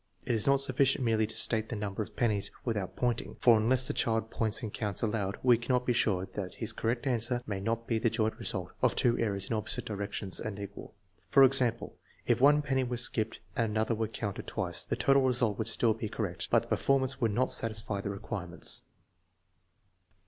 It is not sufficient merely to state the number of pennies without pointing, for unless the child points and counts aloud we cannot be sure that his correct answer may not be the joint result of two errors in opposite direc tions and equal; for example, if one penny were skipped and another were counted twice the total result would still be correct, but the performance would not satisfy the requirements.